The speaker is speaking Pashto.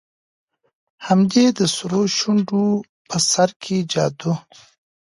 هم دي د سرو شونډو په سر كي جـادو